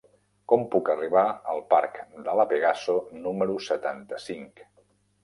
Com puc arribar al parc de La Pegaso número setanta-cinc?